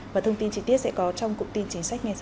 và thông tin trí tiết sẽ có trong cụm tin chính sách ngay sau đây